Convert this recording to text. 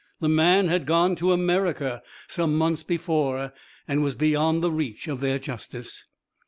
The man had gone to America some months before, and was beyond the reach of their justice.